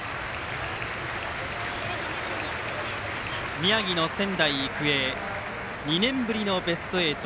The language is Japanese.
宮城の仙台育英２年ぶりのベスト８。